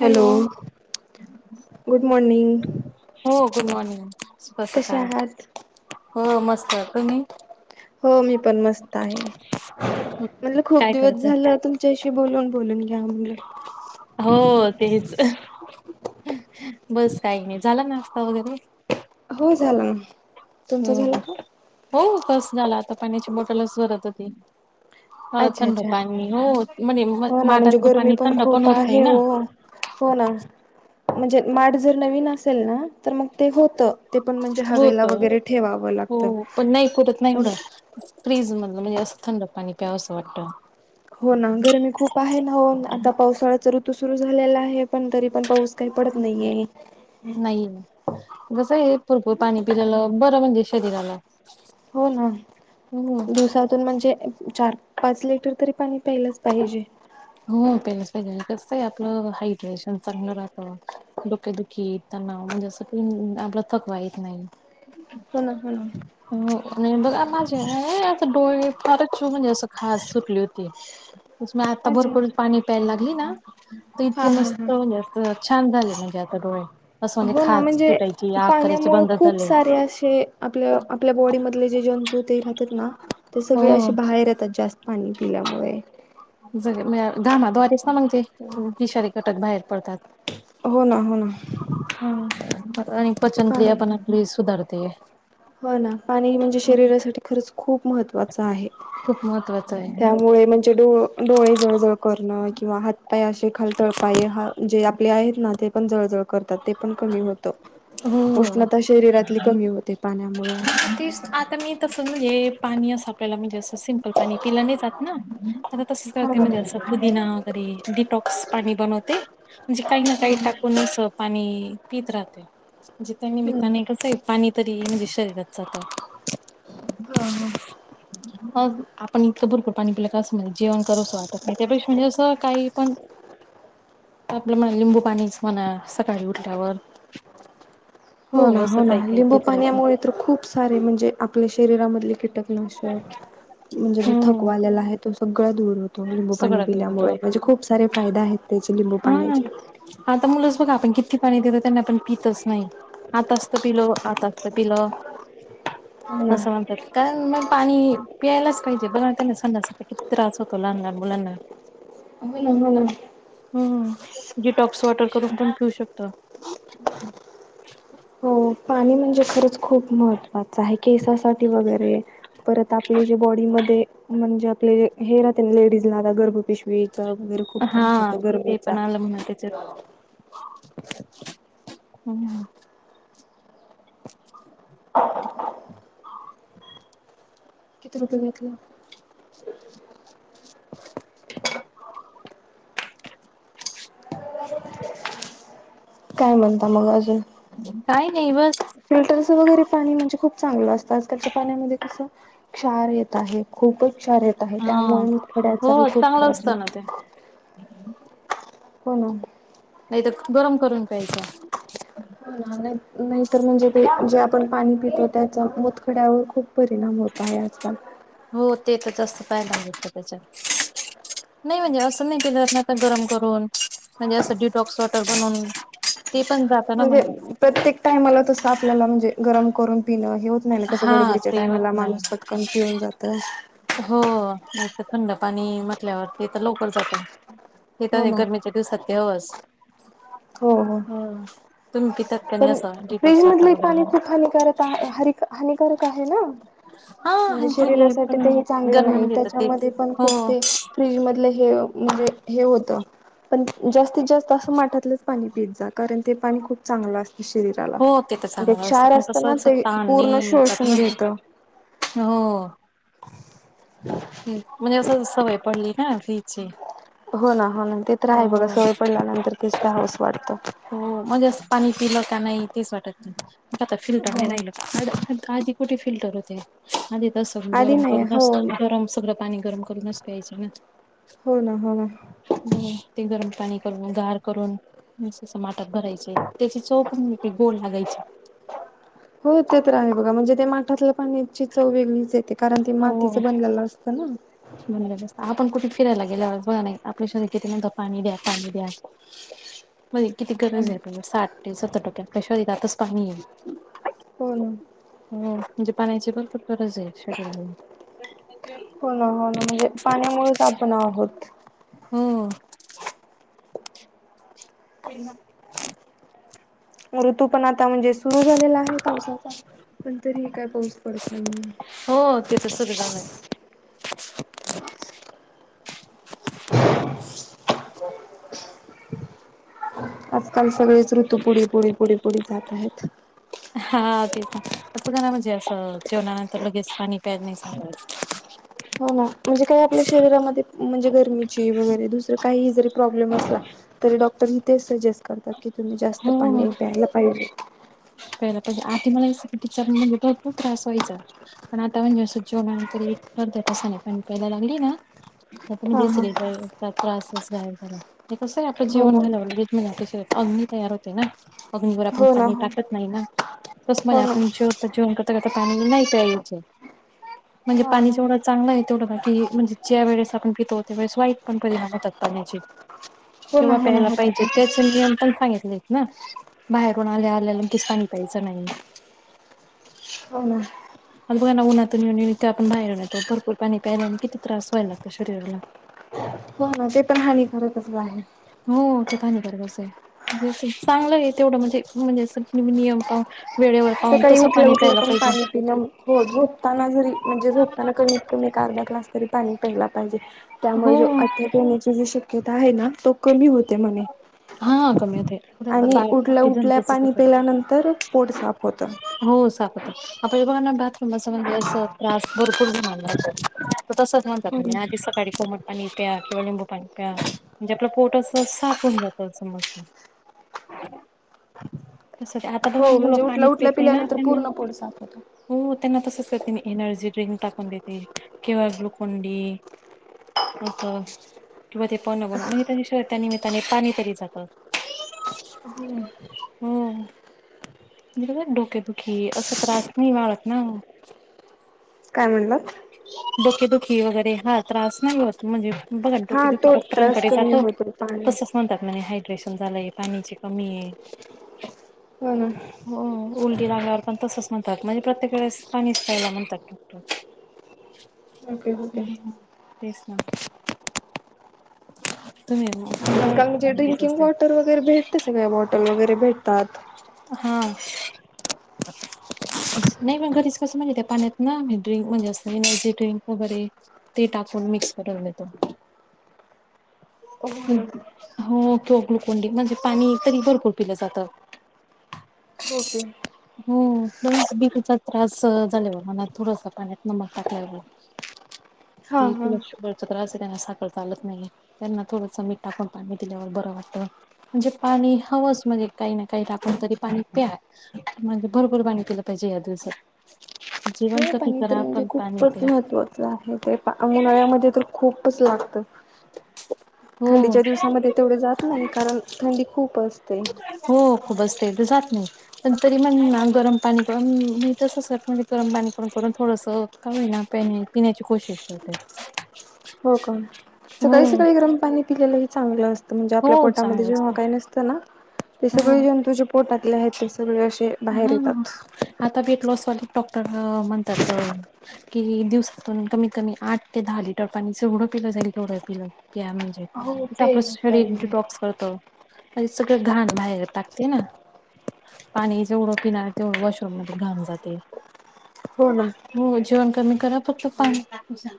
Hello, good morning. हो good morning, शुभ कसे सकाळ, आहात हो मस्त. तुम्ही? हो मी पण मस्त आहे. म्हणलं खूप काय दिवस करत झाल तुम्ही च्याशी बोलून बोलून घ्याव म्हनलं. हो तेच, बस काही नाही. झाला नाशता वगैरे हो झाला ना, तुमचा झाला हम्म का? हो हो कस झाला आता, पाण्याची बॉटलच भरत होती. हा अच्छा थंड अच्छा पाणी, हो म्हणे म हो ना, म्हणजे गरमी पण खूप आहे ओ. हो ना म्हणजे माट जर नवीन असेल ना, तर मग ते होत. होत हो, लागतं पण नाही फुटत नाही पण एवढं. फ्रीज मधलं म्हणजे असं थंड पाणी प्यावं असं वाटतं. हो ना... गरमी खूप आहे ना... हो... न आता पावसाळ्याचा ऋतू सुरू झालेला आहे... पण तरी पण पाऊस काही पडत नाहीये... ये... [unintelligible] हाये ना? कसं ए.... भरपूर पाणी पिलेलं... बरं म्हणजे शरीराला हो ना... हम्म दिवसातून म्हणजे चार पाच लिटर तरी पाणी... प्यायलाच पाहिजे. हो प्यायलंच पाहिजे... कसं ए... आपलं हायड्रेशन चांगलं राहतं डोकेदुखी... तणाव... म्हणजे असं... आपला थकवा येत नाही. हो ना... हूं. हो.. आणि बघा माझे.... आता डोळे... फारच चू.... म्हणजे अशी खाज सुटली होती. तशी मी आता अच्छा भरपर पाणी प्यायला लागली ना हा इतके हा हा. मस्त म्हणजे.. असं छान झाले... म्हणजे आता डोळे... असं म्हणजे हो ना खाज सुटायची आग करायचे पाण्यामुळे बंद खूप झाले सारे असे... आपल्या... आपल्या बॉडीमधले जे जंतू ते राहतेत ना? ते सगळे हो. असे बाहेर येतात... जास्त पाणी पिल्यामुळे [unintelligible] घामाद्वारेच ना मग ते... विषारीे घटक बाहेर पडतात हो ना... हो ना. हं... आणि पचनक्रिया पाणी पण आपली सुधारते. हो ना... पाणी म्हणजे शरीरासाठी खरंच खूप महत्त्व वाचं आहे. खूप महत्त्वाचं आहे. त्यामुळे म्हणजे ड... डोळे जळजळ करनं... किंवा हात काही असे खाल... तळपाय... हा जे आपले आहेत ना... ते पण जळजळ करतात ते पण कमी होतं... हो उष्णता शरीरातली कमी होते पाण्यामुळं तेच आता मी... तसं म्हणजे पाणी असं... आपल्याला म्हणजे... असं सिम्पल पाणी पिलं नाही जात ना? आता तसंच करते म्हणजे... असं... पुुदीना वगैरे डिटॉक्स पाणी बनवते... म्हणजे काही ना काही हम्म. टाकून... असं पाणी पित राहते म्हणजे त्यां निमित्तानी कसं ए... पाणी तरी म्हणजे... शरीरात जातं हो. अन, आपण इतकं भरपूर पाणी पिलं का... असं म्हणजे जेवण करूसं वाटत नाही... त्यापेक्षा म्हणजे असं काही पण [inaudible] आपलं मग लिंबू पाणीच म्हण... सकाळी उठल्यावर... हो... ना असं ना काही काही लिंबू घेत राहतं पाण्यामुळे तर खूप सारे म्हणजे... आपल्या शरीरामधले कीटकनाशक म्हणजे जो हो थकवा आलेला आहे तो सगळा दूर होतो थोडं लिंबू पाणी सगळं घेत पिल्यामुळे... होता. म्हणजे खूप सारे फायदे आहेत त्याचे... म्हणजे लिंबू हा पाण्याचे आता मुलंच बघा आपण किती पाणी देतो त्यांना... पण पितच नाई आताच तर पिलो... आता तर पिलं [inaudible] असं म्हणतात... कारण मग पाणी पियालाच पाहिजे.. बघा ना त्यांना संडासला किती त्रास होतो. होतो लहान लहान मुलांना हूं हूं. हूं... डिटॉक्स वॉटर करून पण पिऊ शकतो. [inaudible] हो... पाणी म्हणजे खरंच खूप महत्त्वाचं आहे... केसासाठी वगैरे परत... आपले जे बॉडीमध्ये... म्हणजे आपले हे राहते ना... लेडीजला आता गर्भ पिशवीचा... वगैरे खूप त्रास हा येतो गरमीचा हम्म. [inaudible] किती रुपये घेतला? [inaudible] काय म्हणता मग अजून? काही नाही बस फिल्टरचं वगैरे पाणी म्हणजे खूप चांगलं असतं. आजकालच्या पाण्यामध्ये कसं क्षार येत आहे, खूपच क्षार येत आहे. हा त्यामुळे मुतखड्याचाही हो खूप चांगलं त्रास असतं होतो. ना ते हो. नाहीतर, गरम करून प्यायचं. ना नई, नाही तर म्हणजे ते जे आपण पाणी पितो त्याचा मुतखड्यावर खूप परिणाम होत आहे आजकाल. हो ते तर जास्त फायदा मिळत त्याच्यात. नाही म्हणजे असं नाही के जरात नाही आता गरम करून, म्हणजे असं डिटॉक्स वॉटर बनून म्हणजे प्रत्येक टाईमाला तस आपल्याला म्हणजे गरम करून पिणं हे होत नाही ना. कसं हा गडबडीच्या ते टायमाला होत नाही माणूस पटकन पिऊन जात. हो नाहीतर थंड पाणी म्हटल्यावर ते तर लवकर जात. हे हो तर ना. गरमीच्या दिवसात ते हवच. हो हो. तुम्ही पितात काय आणि असं डिटॉक्स वॉटर वगैरे म्हणून? खर तर हा हरी -हानिकारक आहे ना? हा म्हणजे आणखी हे शरीरासाठी पण तेही चांगलं गरमी नाही. मध्ये येतात तेच त्याच्यामध्ये पण हो खूप ते फ्रीज मधल हे म्हणजे- हे होतं. पण जास्तीत जास्त असं माठातलंच पाणी पीत जा, कारण ते पाणी खूप चांगलं असत. हो ते तर चांगल असतं. पण कसं असताना अस, ते तहान पूर्ण नाही जात शोषून ना. घेतं. हो. म्हणजे असं सवय पडली ना फ्रिजची. हो ना हो ना. ते तर आहे बघा सवय पडल्यानंतर तेच प्यावस वाटत. हो. म्हणजे पाणी पिलं का नाही तेच वाटत नाही. आता फिल्टर हो नाही ना. राहिलं. आ -आधी कुठे फिल्टर होते. आधी तसं आधी गरम नाही हो करूनच, गरम सगळं पाणी गरम करूनच प्यायच ना. हो ना, हो ना. आणि ते गरम पाणी करून, गार करून. म अस माटात भरायचे. त्याची चव पण गोड लागायची. हो ते तर आहे बघा. म्हणजे ते माठातल्या पाण्याची चव वेगळीच येते, कारण ते हो मातीच बनलेलं अस क ना [unintelligible] आपण कुठे फिरायला गेल्यावर बगा नाही, आपले शरीर किती म्हणत पाणी द्या, पाणी द्या. [inaudible] मग किती गरज आहे पहिेल साठ ते सत्तर टक्के आपल्या शहारीेत आातच पाणीय. हो ना. हो. म्हणजे पाण्याची पण खूप गरज आहे शरीराला. हो ना हो ना म्हणजे, पाण्यामुळेच आपण आहोत. हो. ते मग ऋतू पण आता म्हणजे सुरू झालेला आहे पावसाचा. पण तरीही काय पाऊस पडत नाहीये. हो ते तर सुर झालय. आजकाल सगळेच ऋतू पुढे पुढे पुढे पुढे जात आहेत. हा ते पण. पण बगा ना म्हणजे असं, जेवणानंतर लगेच पाणी प्याच नाही सांगा हो ना म्हणजे काही आपल्या शरीरामध्ये म्हणजे गरमीची वगैरे दुसरं काही जरी प्रॉब्लेम असला तरी डॉक्टर ही तेच सजेस्ट करतात की तुम्ही जास्त हो पाणी प्यायला पाहिजे. पहिला पहिला आधी मला [unintelligible] म्हणजे भरपूर त्रास व्हायचा. पण आता म्हणजे असं जेवणानंतर ही प्रत्येक तासानी पाणी प्यायला लागली ना आता म हा हा दसरीचा त्रासच गायब झाला. हे कसं आहे आपलं हो जेवण ना झाल्यावर अग्ननी तयार होते ना अग्नीवर आपण हो ना पाणी हो टाक शत नाही ना तस म्हण हो ना आपण जेवत जेवण कता कता पाणी नाही पायचं. म्हणजे हा पाणी हा जेवढं चांगलं आहे तेवढ बाकी म्हणजे ज्या वेळेस आपण पीतो त्या वेळेस वाईट पण परिणाम होतात पाण्याचे हो ना किंव्हा हो ना प्यायला होतात पाहिजे त्याच होतात नियम पण सांगितले ना बाहेरून आल्या आल्या लगेच पाणी प्यायचं नाही. हो ना अग बघाना उन्हातून येऊ येऊ इथे आपण बाहेरून येतो भरपूर पाणी प्यायला आणि किती त्रास व्हाय लागंतो शरीराला हो ना ते पण हानिकारकच आहे. हो ते बरोबर च आहे चांगलं आहे तेवढं म्हणजे म्हणजे अस नियम पाहून वेळेवर पाहून सकाळी तसं उठल्या पाणी उठल्या प्यायला पण पाहिजे पाणी पिणं हो झोपताना जरी म्हणजे झोपताना कमीत कमी एक अर्धा ग्लास तरी पाणी प्यायला पाहिजे. त्यामुळे हो जो अटॅक येण्याची जी शक्यता आहे ना तो कमी होते म्हणे. हा कमी होते पुढे आता आणि उठल्या बाकी उठल्या पाणी जनतेच पेल्यानंतर पोट साफ होतं. हो [unintelligible] आता हे बघांना बाथरूमच म्हणजे अस त्रास भरपूर जणांना होतो तसच होय. म्ह आधी सकाळी कोमट पाणी प्या किंवा लिंबू पाणी प्या म्हणजे आपलं पोटच पोट साफ होऊन जात अस म्हणतात. तसं ते आता बघा ना हो मूल म्हणजे उठल्या पाणीच पेत उठल्या नाही ना पिल्यानंतर त्यांना पूर्ण पोट साफ होतं. हो त्यांना तसंच करते मी एनर्जी ड्रिंक टाकून देते किंवा ग्लुकोंडी अस किंवा ते पण बन म्हणजे त्या शर् त्या निमित्ताने पाणी तरी जात. हो डोकेदुखी असं त्रास नाही वाळत ना म. काय म्हणलात? डोकेदुखी वगैरे हा त्रास नाही होत म्हणजे बागा ना डोके हा दूकी तो त्रास डॉक्टरांकडे कमी जातो होतो पाण्यात. तसं म्हणतात म्हने हायड्रेशन झालंय पाणीची कमीये. हो ना हो उलटी लागावर पण तसच म्हणतात म्हणजे प्रत्येक वेळेस पाणी प्यायला म्हणतात. Okay okay. हम्म ह तेच तुम्ही पण आज काल भरपूर म्हणजे पाणी पित ड्रिंकिंग असेल. वॉटर वगैरे भेटते सगळ्या बॉटल वगैरे भेटतात. हा [unintelligible] नाही पण घरीच कसं म्हणजे त्या पाण्यात ना म ड्रिंक म्हणजे अस एनर्जी ड्रिंक वगैरे- ते टाकून मिक्स करून देतो. [unintelligible] हो ना हो क ग्लुकोंडी म्हणजे पाणी तरी भरपूर पिलं जातं. ओके हो बच बीपीचा त्रास झाले ब मना थोडस पाण्यात नमक टाकलं ग हा ते हा. तुला शुगरचा त्रास आहे त्यांना साखर चालत नाही. त्यांना थोडंस मीठा पण पाणी दिल्यावर बरं वाटतं म्हणजे पाणी हवंच म्हणजे काही नाही. काही आपण तरी पाणी प्या म्हणजे भरपूर पाणी पिलं पाहिजे या दिवसात. जीवन हे क''--'' पाणी तर म्हणजे खूपच महत्त्वाचं आहे ते पा उन्हाळ्यामध्ये तर खूपच लागतं. हो थंडीच्या दिवसामध्ये तेवढे जात नाही कारण थंडी खूप असते. हो खूप असते तर जात नाही. पण तरी म्हणलं ना गरम पाणी करून मी तसच साठ गरम पाणी करून करून थोडस. कामी ना पणे पिण्याची कोशिश करते. हो का हो सकाळी सकाळी गरम पाणी पिलेलंही चांगलं असतं म्हणजे हो आपल्या पोटामध्ये चांगलं जेव्हा असतं काही नसतं. ना ते हो सगळे जंतू जे पोटातले आहेत ते सगळे असे बाहेर हा. येतात. आता बेट लॉसवाल डॉक्टर म्हणतात. कि दिवसातून कमीत कमी आठ ते दहा लिटर पाणी जेवढं पिलं जाईल एवढं पिलं. त्या म्हणजे हो आपलं पेलच शरीर पाहिजे. डिटॉक्स करत आणि सगळं घाण. बाहेर टाकते ना. पाणी जेवढं पिणार तेवढं वॉशरूम मध्ये घाम जाते. हो ना. हो जेवण कमी करा फक्त पाणी प्या.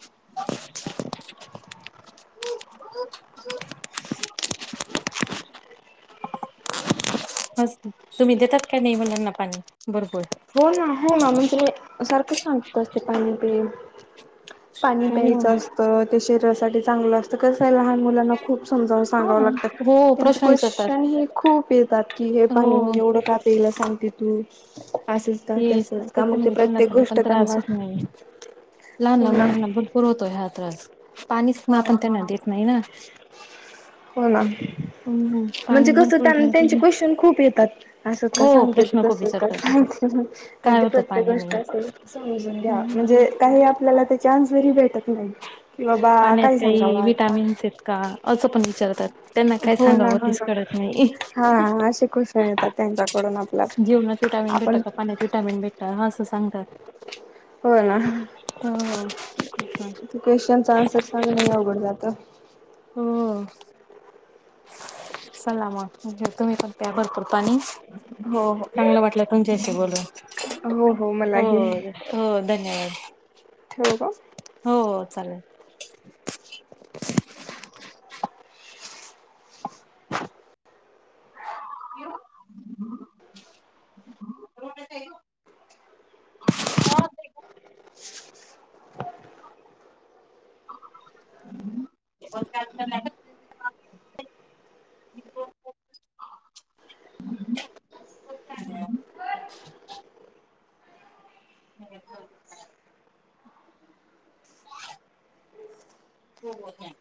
[inaudible] [inaudible] तुम्ही देतात काय नाही मुलांना पाणी भरपूर. हो ना हो ना म्हणजे मी सारखं सांगत असते पाणी पे. पाणी हो प्यायचं असतं ते शरीरासाठी चांगलं असत कस आहे लहान मुलाना. ना खूप समजावून हा सांगावं लागतात. हो त्यांचे प्रश्न क्वेश्चन विचारतात हे खूप येतात की हे पाण हो एवढं का प्यायला सांगते तू. असंच का तेच तर तसंच का करते मग मी ते त्यांना प्रत्येक सनासाना पण गोष्ट त्रास त्यांना हो नाही लहान हो ना मुलांना बर. पुरवतोय ह्या त्रास पाणी सु हो ना आपण हो त्यांना ना. देत नाही ना. हो ना. म्हणजे पाणी कसं भरपूर त्यांना घ्यायला त्यांचे पाहिजे. क्वेश्चन खूप येतात असंच का हो सांगते प्रश्न खूप तसंच का विचारतात सांगते. तसंच. काय म्हणजे होतं प्रत्येक पाण्याने गोष्ट असेल समजून घ्या म्हणजे काही आपल्याला तेचे आंसर ही भेटत नाही. किं बाबा. पाण्यात काय काही सांगावा आता विटॅमिन्स आहेत का असं पण विचारतात. त्यांना काय हो ना सांगावं हो तेच ना. कळत नाही. हा असे क्वेश्चन येतात त्यांच्याकडून आपल्या जीवना विटावीन भेट आपण का पाण्या विटावीन भेट ह असं सांगतात. हो ना. हा अ, क्वेश्चनचचा आन्सर सांग नाही अवघड जात. हो, चला मग तुम्ही पण प्या भरपूर पाणी हो चांगलं वाटलं. तुच्या्याशी बोलून. हो हो, मलाही. हो, धन्यवाद. ठेवू का. हो, चालेल. हं का [unintelligible] ह ह [unintelligible] हो बरं